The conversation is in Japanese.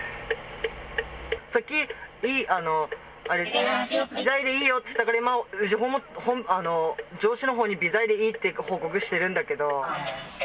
さっき、微罪でいいよって言ったから、上司のほうに微罪でいいってことで報告してるんだけど。